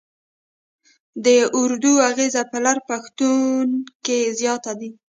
د اردو اغېز په لر پښتون کې زیات دی.